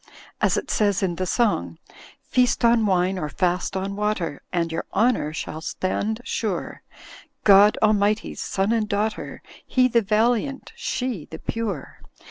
As it says in the song: "Feast on wine or fast on water. And your honour shall stand sure; God Almighty's son and daughter. He the valiant, she the pure.